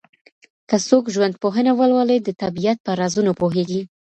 که څوک ژوندپوهنه ولولي، د طبیعت په رازونو پوهیږي.